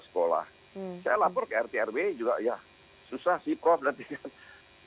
saya lapor ke rtrw juga ya susah sih prof nanti kan